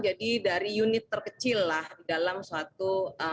jadi dari unit terkecil lah dalam suatu